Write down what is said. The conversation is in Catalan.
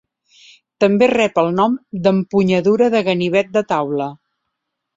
També rep el nom d'empunyadura de "ganivet de taula".